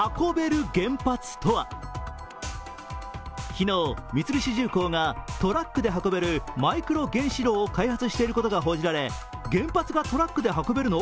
昨日、三菱重工がトラックで運べるマイクロ原子炉を開発していることが報じられ原発がトラックで運べるの？